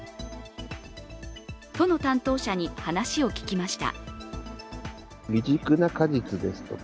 都の担当者に話を聞きました。